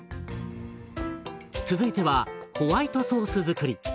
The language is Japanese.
続いてはホワイトソース作り。